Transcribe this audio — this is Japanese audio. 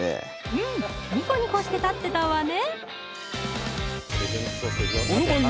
うんニコニコして立ってたわね